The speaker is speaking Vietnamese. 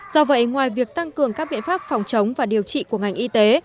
do vậy ngoài việc tăng cường các biện pháp phòng chống và điều trị của ngành y tế